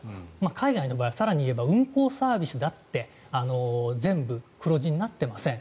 海外の場合は更に言えば運行サービスだって全部、黒字になっていません。